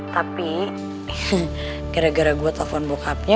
tapi gara gara gue telfon bokapnya